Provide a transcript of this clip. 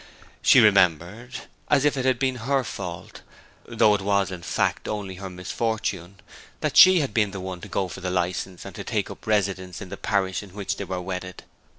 She remembered as if it had been her fault, though it was in fact only her misfortune that she had been the one to go for the license and take up residence in the parish in which they were wedded.